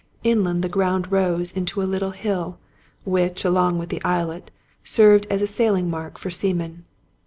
Inland the ground rose into a little hill, which, along with the islet, served as a sailing mark for seamen.